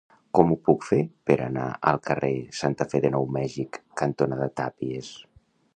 Com ho puc fer per anar al carrer Santa Fe de Nou Mèxic cantonada Tàpies?